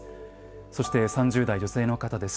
そして３０代女性の方です。